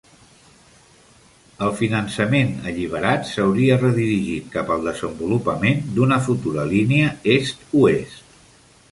El finançament alliberat s'hauria redirigit cap al desenvolupament d'una futura línia est-oest.